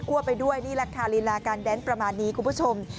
ไปด้วยนี่แหละค่ะลีลาการแดนประมาณนี้คุณผู้ชม